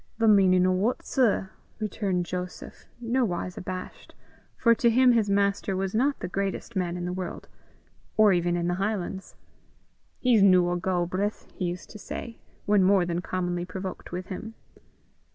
"The meanin' o' what, sir?" returned Joseph, nowise abashed, for to him his master was not the greatest man in the world, or even in the highlands. "He's no a Galbraith," he used to say, when more than commonly provoked with him.